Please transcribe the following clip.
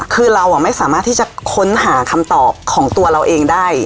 คือเราไม่สามารถที่จะค้นหาคำตอบของตัวเราเองได้